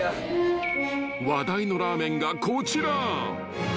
［話題のラーメンがこちら］